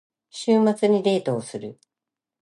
週末にデートをする。